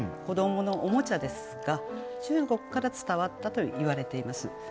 子どものおもちゃですが中国から伝わったといわれています。